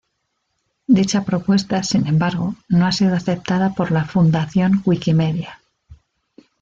Dicha propuesta, sin embargo, no ha sido aceptada por la Fundación Wikimedia.